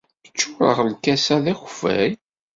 Ččureɣ-a lkas-a d akeffay.